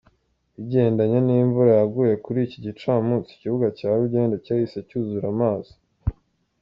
Bigendanye n'imvura yaguye kuri iki gicamunsi ikibuga cya Rugende cyahise cyuzura amazi.